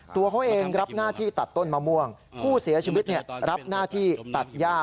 ตัวเขาเองรับหน้าที่ตัดต้นมะม่วงผู้เสียชีวิตรับหน้าที่ตัดย่า